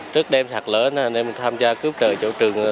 trước đêm sạt lở nên mình tham gia cướp trời chỗ trường